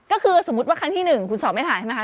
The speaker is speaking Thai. ก็คือสมมุติว่าครั้งที่๑คุณสอบไม่ผ่านใช่ไหมค